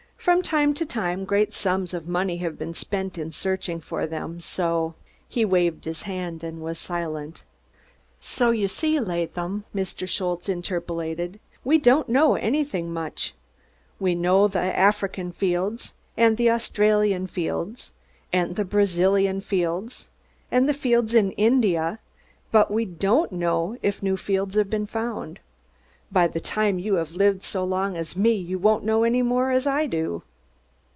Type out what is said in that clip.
"From time to time great sums of money have been spent in searching for them, so " He waved his hand and was silent. "Zo you see, Laadham," Mr. Schultze interpolated, "ve don'd know anyding much. Ve know der African fields, und der Australian fields, und der Brazilian fields, und der fields in India, bud ve don'd know if new fields haf been found. By der time you haf lived so long as me you won't know any more as I do."